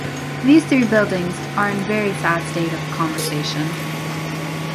These three buildings are in a very sad state of conservation.